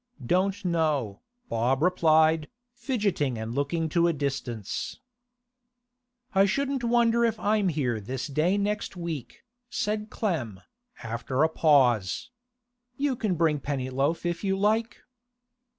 'Don't know,' Bob replied, fidgeting and looking to a distance. 'I shouldn't wonder if I'm here this day next week,' said Clem, after a pause. 'You can bring Pennyloaf if you like.